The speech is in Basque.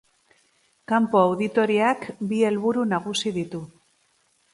Kanpo-auditoriak bi helburu nagusi ditu.